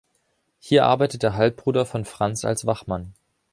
Hier arbeitet der Halbbruder von Franz als Wachmann.